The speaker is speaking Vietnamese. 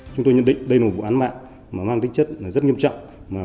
chúng tôi nhận định đây là một vụ án mạng mà mang tính chất rất nghiêm trọng